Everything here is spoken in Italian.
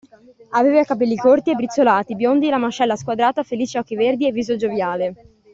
Aveva capelli corti e brizzolati, biondi, la mascella squadrata, felici occhi verdi e viso gioviale.